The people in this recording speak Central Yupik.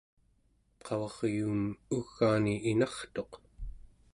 qavaryuum ugaani inartuq